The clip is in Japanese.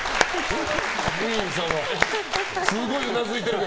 すごいうなずいている。